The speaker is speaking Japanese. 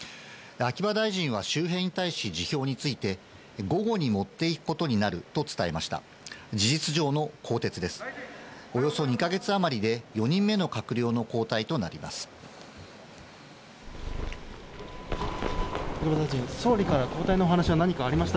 秋葉大臣は周辺に対し、辞表について午後に持っていくことになると伝えました。